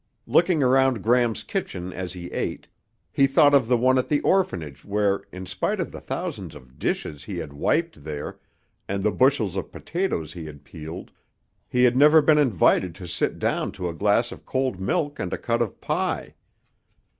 Looking around Gram's kitchen as he ate, he thought of the one at the orphanage where, in spite of the thousands of dishes he had wiped there and the bushels of potatoes he had peeled, he had never been invited to sit down to a glass of cold milk and a cut of pie.